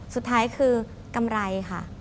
สุดท้ายคือกำไรค่ะ